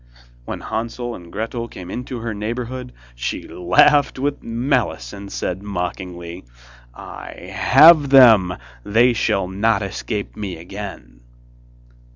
When Hansel and Gretel came into her neighbourhood, she laughed with malice, and said mockingly: 'I have them, they shall not escape me again!